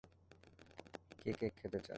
কে cake খেতে চায়?